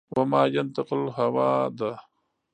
و ما ینطق الهوا ده